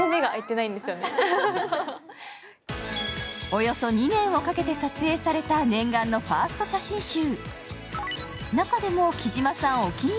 およそ２年をかけて撮影された念願のファースト写真集。